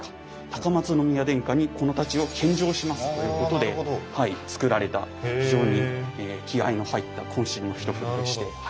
高松宮殿下にこの太刀を献上しますということでつくられた非常に気合いの入ったこん身の一振りでして。